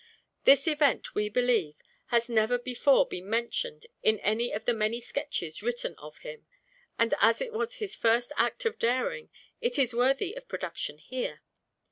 This event, we believe, has never before been mentioned in any of the many sketches written of him, and as it was his first act of daring, it is worthy of production here.